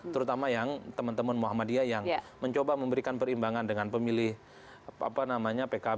terutama yang teman teman muhammadiyah yang mencoba memberikan perimbangan dengan pemilih pkb misalnya dan ketiga yang lebih kepada nadlin